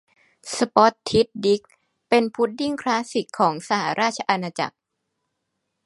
สป็อททิด ดิก เป็นพุดดิ้งคลาสสิกของสหราชอาณาจักร